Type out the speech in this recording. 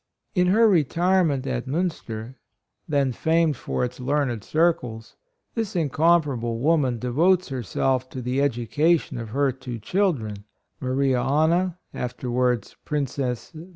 In her re tirement at Munster, then famed for its learned circles, this incom parable woman devotes herself to the education of her two children, Maria Anna, afterwards Princess HIS BIRTH, EDUCATION.